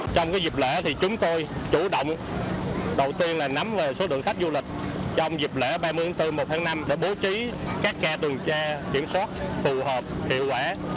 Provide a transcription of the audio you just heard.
trong dịp lễ chúng tôi chủ động nắm số lượng khách du lịch trong dịp lễ ba mươi bốn một năm để bố trí các ca tuần tra kiểm soát phù hợp hiệu quả